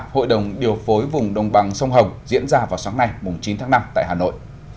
hội đồng điều phối vùng đồng bằng sông hồng diễn ra vào sáng nay chín tháng năm tại hà nội